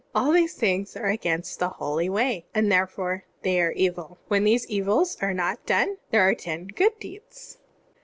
All these things are against the Holy Way, and therefore they are evil. "When these evils are not done, there are ten good deeds."